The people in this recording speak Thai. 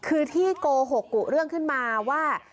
คือที่โกหกกุเรื่องขึ้นมาว่า